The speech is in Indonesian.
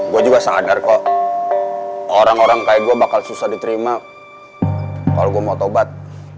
gue juga sadar kok orang orang kayak gue bakal susah diterima kalau gue mau taubat